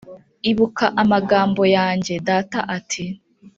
ibuka amagambo yanjye, data ati,